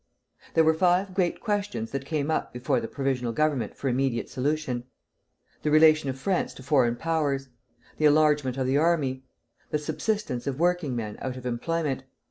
There were five great questions that came up before the Provisional Government for immediate solution, The relation of France to foreign powers. The enlargement of the army. The subsistence of working men out of employment.